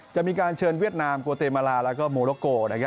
จะมีการเชิญเวียดนามโกเตมาลาแล้วก็โมโลโก